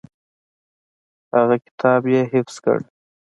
هغه کتاب یې حفظ کړ.